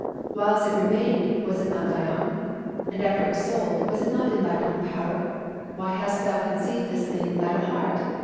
Whiles it remained, was it not thine own? And after it was sold, was it not in thine own power? Why hast thou conceived this thing in thine heart?